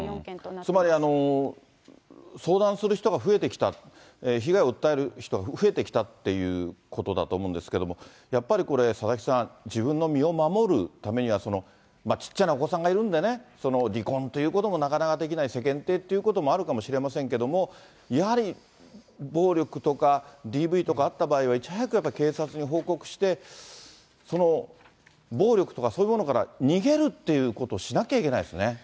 つまり相談する人が増えてきた、被害を訴える人が増えてきたっていうことだと思うんですけど、やっぱりこれ、佐々木さん、自分の身を守るためには、小っちゃなお子さんがいるんで、離婚ということもなかなかできない、世間体っていうこともあるかもしれませんけれども、やはり暴力とか、ＤＶとかあった場合は、いち早く警察に報告して、その暴力とか、そういうものから逃げるっていうことしなきゃいけないですね。